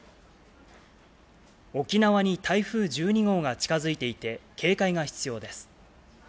沖縄に台風１２号が近づいていて、警戒が必要です。